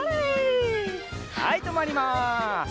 はいとまります。